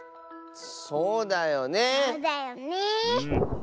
そうだよね。